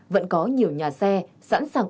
vẫn có nhiều nhà xe sẵn sàng